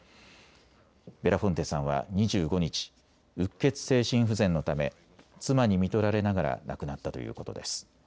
ベラフォンテさんは２５日、うっ血性心不全のため妻にみとられながら亡くなったということです。